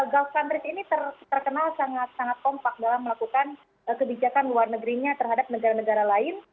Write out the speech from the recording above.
gulf countries ini terkenal sangat sangat kompak dalam melakukan kebijakan luar negerinya terhadap negara negara lain